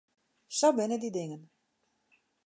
Sa binne dy dingen.